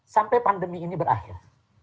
sampai pandemi ini berakhir